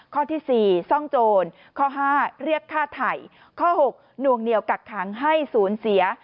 ข้อที่๔ซ่องโจรข้อ๕เรียกฆ่าไถ่ข้อ๖นวงเหนียวกักขังให้ศูนย์เสีย